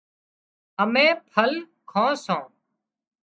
امين ڦل کان سان